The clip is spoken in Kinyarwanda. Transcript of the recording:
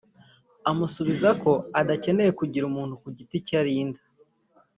amusubiza ko adakeneye kugira umuntu ku giti cye arinda